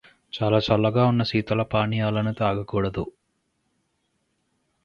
చాలా చల్లగా ఉన్న శీతల పానీయాలను తాగకూడదు.